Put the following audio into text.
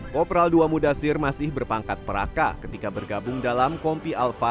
kopral ii mudasir masih berpangkat peraka ketika bergabung dalam kompi alpha